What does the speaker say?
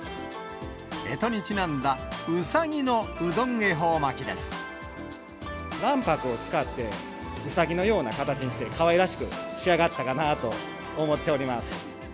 えとにちなんだ、卵白を使って、ウサギのような形にして、かわいらしく仕上がったのかなと思っております。